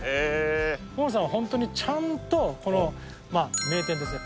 大野さんはホントにちゃんとこの名店ですね